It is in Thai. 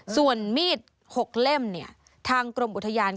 ส่วนมีด๖เล่มทางกรมอุทยาน